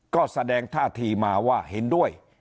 ก็แสดงท่าทีมาว่าเห็นด้วย